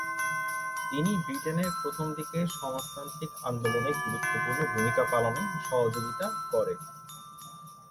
তিনি ব্রিটেনের প্রথমদিকের সমাজতান্ত্রিক আন্দোলনে গুরুত্বপূর্ণ ভূমিকা পালনে সহযোগিতা করে।